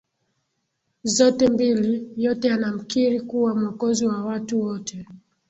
zote mbili Yote yanamkiri kuwa Mwokozi wa watu wote